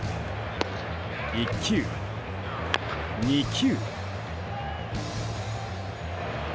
１球、２球。